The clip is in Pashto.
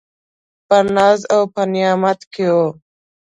په ناز او په نعمت کي و .